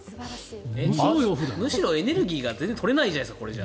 むしろエネルギーが全然取れないじゃないですか。